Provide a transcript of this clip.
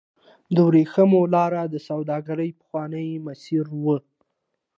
د ورېښمو لار د سوداګرۍ پخوانی مسیر و.